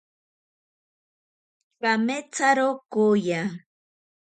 Kametsaro kooya.